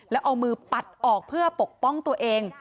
แล้วเอามือปัดออกเพื่อปกป้องตัวเอง